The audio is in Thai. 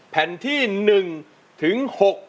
แผ่นที่๑ถึง๖๐